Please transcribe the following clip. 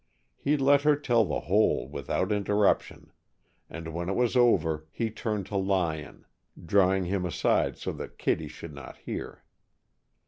He let her tell the whole without interruption, and when it was over he turned to Lyon, drawing him aside so that Kittie should not hear.